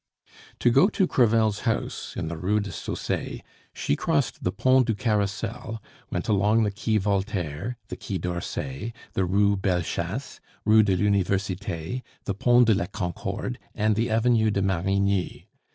To go to Crevel's house, in the Rue des Saussayes, she crossed the Pont du Carrousel, went along the Quai Voltaire, the Quai d'Orsay, the Rue Bellechasse, Rue de l'Universite, the Pont de la Concorde, and the Avenue de Marigny.